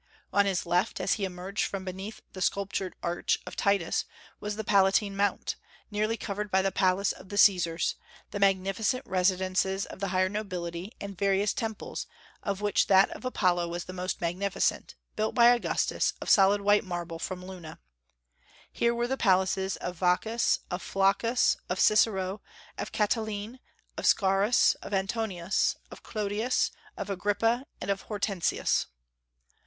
On his left, as he emerged from beneath the sculptured Arch of Titus, was the Palatine Mount, nearly covered by the palace of the Caesars, the magnificent residences of the higher nobility, and various temples, of which that of Apollo was the most magnificent, built by Augustus, of solid white marble from Luna. Here were the palaces of Vaccus, of Flaccus, of Cicero, of Catiline, of Scaurus, of Antoninus, of Clodius, of Agrippa, and of Hortensius.